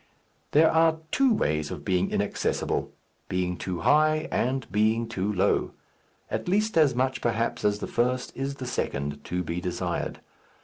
There are two ways of being inaccessible: being too high and being too low. At least as much, perhaps, as the first is the second to be desired.